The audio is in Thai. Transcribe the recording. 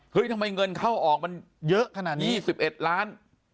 เฮ้ยทำไมเงินเข้าออกมัน๒๑ล้าน